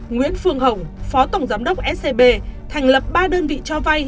nguyễn phương hồng phó tổng giám đốc scb thành lập ba đơn vị cho vay